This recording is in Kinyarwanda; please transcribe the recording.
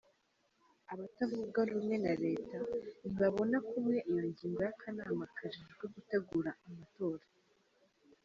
Abatavuga rumwe na reta ntibabona kumwe iyo ngingo y’akanama kajejwe gutegura amatora.